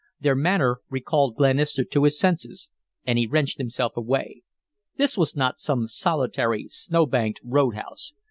Their manner recalled Glenister to his senses, and he wrenched himself away. This was not some solitary, snow banked road house.